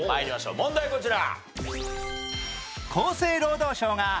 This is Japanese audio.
問題こちら。